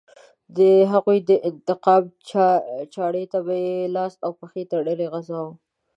د هغوی د انتقام چاړې ته به یې لاس او پښې تړلې غځاوه.